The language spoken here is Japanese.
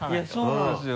そうなんですよ。